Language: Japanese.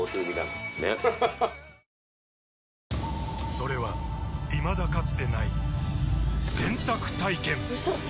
それはいまだかつてない洗濯体験‼うそっ！